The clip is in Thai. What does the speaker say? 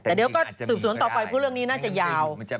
แต่เดี๋ยวก็สืบสวนต่อไปพูดเรื่องนี้น่าจะยาว